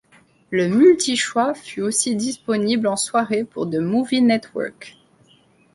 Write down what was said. Le multi-choix fut aussi disponible en soirée pour The Movie Network.